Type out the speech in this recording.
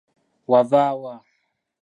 Wava wa?